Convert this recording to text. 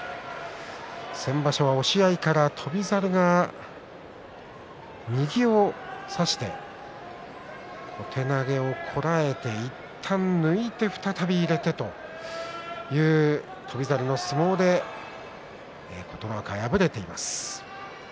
先場所は押し合いから翔猿が右を差して小手投げをこらえていったん抜いて再び出たという翔猿の相撲で琴ノ若は敗れました。